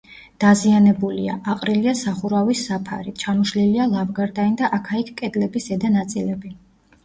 დაზიანებულია: აყრილია სახურავის საფარი, ჩამოშლილია ლავგარდანი და აქა-იქ კედლების ზედა ნაწილები.